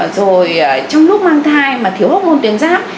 rồi trong lúc mang thai mà thiếu hormôn tuyến giáp